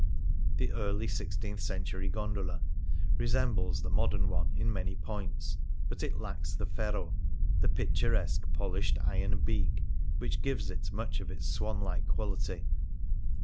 The early sixteenth century gondola resembles the modern one in many points — but it lacks the ferro — the picturesque polished iron beak which gives it much of its swan like quality.